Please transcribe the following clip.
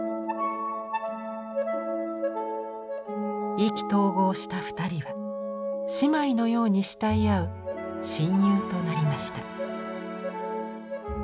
意気投合した２人は姉妹のように慕い合う親友となりました。